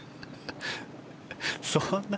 そんな。